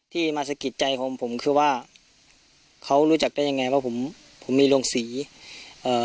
ที่มาสะกิดใจของผมคือว่าเขารู้จักได้ยังไงว่าผมผมมีโรงศรีเอ่อ